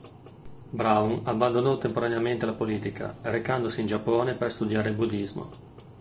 Brown abbandonò temporaneamente la politica recandosi in Giappone per studiare il buddhismo.